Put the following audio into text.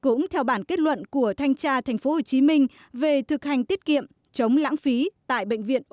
cũng theo bản kết luận của thanh tra tp hcm về thực hành tiết kiệm chống lãng phí tại bệnh viện